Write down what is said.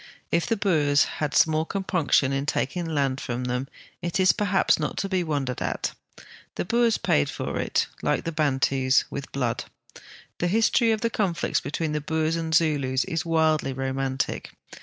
If the Boers had small compunc tion in taking land from them, it is perhaps not to be wondered at. The Boers })aid for it, like the Bantus, with blood. The history of the conflicts between the Boers and Zulus is wildly romantic.